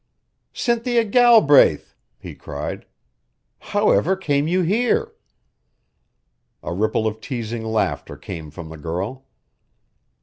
"Cynthia Galbraith!" he cried. "How ever came you here?" A ripple of teasing laughter came from the girl.